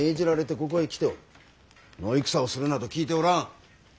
野戦をするなど聞いておらん！